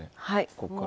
ここから。